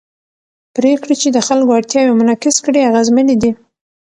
پرېکړې چې د خلکو اړتیاوې منعکس کړي اغېزمنې دي